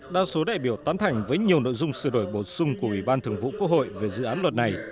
đa số đại biểu tán thành với nhiều nội dung sửa đổi bổ sung của ủy ban thường vụ quốc hội về dự án luật này